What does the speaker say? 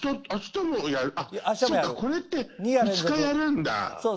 これって２日やるんだ。